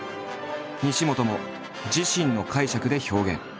西本も自身の解釈で表現。